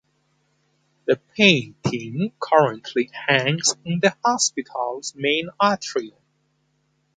The painting currently hangs in the hospital’s main atrium.